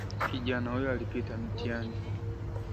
Kijana huyo alipita mitihani